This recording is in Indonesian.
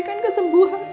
yang personnage dari